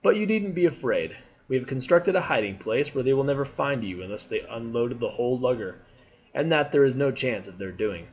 But you needn't be afraid; we have constructed a hiding place, where they will never find you unless they unloaded the whole lugger, and that there is no chance of their doing."